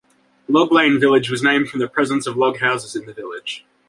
Log Lane Village was named from the presence of log houses in the village.